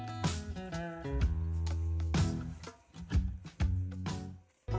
terima kasih tuhan